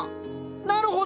なるほど！